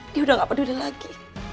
dia udah gak peduli lagi